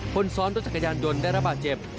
คนซ้อนรถจักรยานยนต์ได้ระบาดเจ็บ